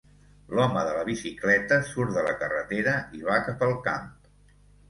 L'home de la bicicleta surt de la carretera i va cap al camp.